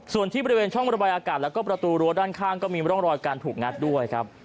ส่วนที่บริเวณช่องระบายอากาศแล้วก็ประตูรั้วด้านข้างก็มีร่องรอยการถูกงัดด้วยครับ